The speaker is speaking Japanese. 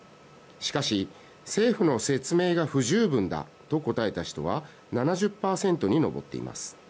しかし、政府の説明が不十分だと答えた人は７０％に上っています。